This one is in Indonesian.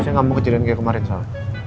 saya gak mau kecilin kayak kemarin sal